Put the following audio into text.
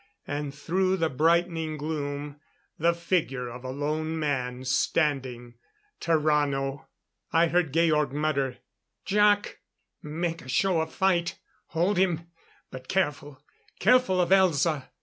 And through the brightening gloom the figure of a lone man standing. Tarrano! I heard Georg mutter: "Jac! Make a show of fight! Hold him! But careful careful of Elza!"